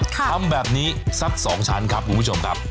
ทำแบบนี้สัก๒ชั้นครับคุณผู้ชมครับ